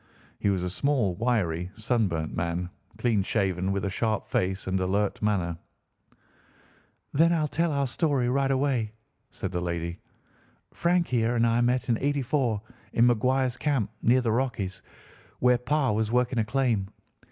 He was a small, wiry, sunburnt man, clean shaven, with a sharp face and alert manner. "Then I'll tell our story right away," said the lady. "Frank here and I met in '84, in McQuire's camp, near the Rockies, where Pa was working a claim.